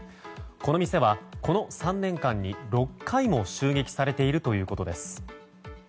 この店はこの３年間に６回も襲撃されているということです。